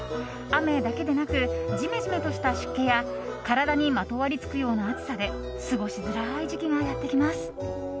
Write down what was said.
雨だけでなくじめじめとした湿気や体にまとわりつくような暑さで過ごしづらい時期がやってきます。